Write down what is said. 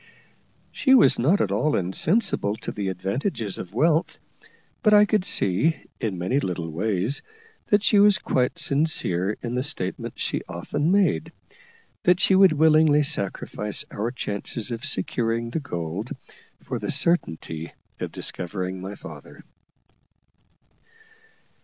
She was not at all insensible to the advantages of wealth; but I could see, in many little ways, that she was quite sincere in the statement she often made, that she would willingly sacrifice our chances of securing the gold for the certainty of discovering my father.